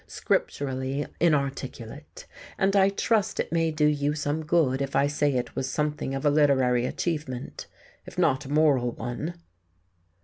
scripturally inarticulate. And I trust it may do you some good if I say it was something of a literary achievement, if not a moral one."